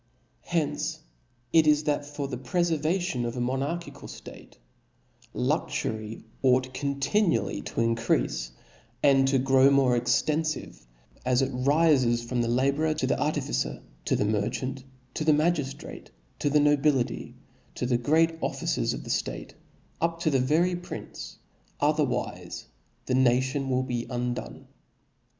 Hence it is, that for the prefervation of a mo narchical ftate, luxury ought continually to in creafe, and to grow more extenfive, as it rifcs from the labourer to the artificer, to the merchant, to the magiftrate, to the nobility, to the great officers of ftate, up to the very prince; ocherwife the nation will be undone.